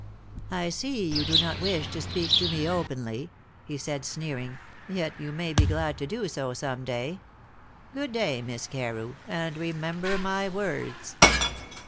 "I see you do not wish to speak to me openly," he said, sneering, "yet you may be glad to do so some day. Good day, Miss Carew, and remember my words."